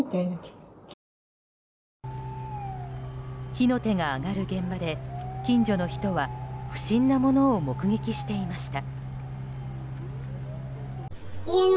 火の手が上がる現場で近所の人は不審なものを目撃していました。